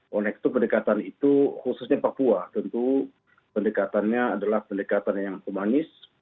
oleh itu pendekatan itu khususnya papua tentu pendekatannya adalah pendekatan yang humanis